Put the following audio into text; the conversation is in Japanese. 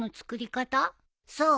そう。